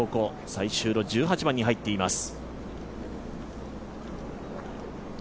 最終の１８晩に入っています。